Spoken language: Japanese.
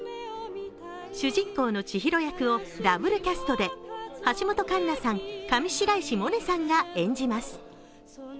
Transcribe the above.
主人公の千尋役をダブルキャストで橋本環奈さん、上白石萌音さんが演じます。